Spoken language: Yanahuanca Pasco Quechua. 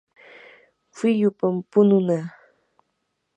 wiyupam pununaa.